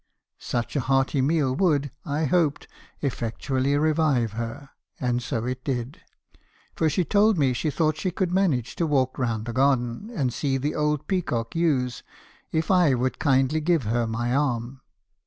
Sucli a hearty meal would, I hoped, effectually revive her, — and so it did; for she told me she thought she could manage to walk round the garden, and see the old peacock yews, if I would kindly give her my arm.